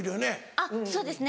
あっそうですね。